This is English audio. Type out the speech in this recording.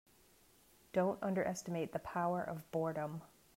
Don't underestimate the power of boredom.